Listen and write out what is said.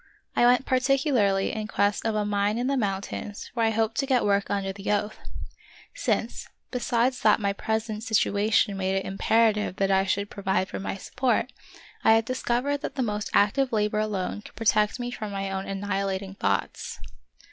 I went particularly in quest of a mine in the monntains where I hoped to get work under the oath ; since, besides that my present 98 The Wonderful History situation made it imperative that I should pro vide for my support, I had discovered that the most active labor alone could protect me from my own annihilating thoughts.